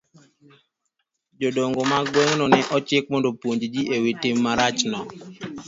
Jodongo mag gweng'no ne ochik mondo opuonj ji e wi tim marachno.